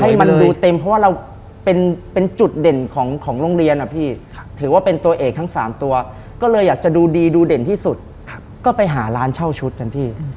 ให้มันดูเต็มเพราะว่าเราเป็นจุดเด่นของโรงเรียนอะพี่ถือว่าเป็นตัวเอกทั้ง๓ตัวก็เลยอยากจะดูดีดูเด่นที่สุดก็ไปหาร้านเช่าชุดกันพี่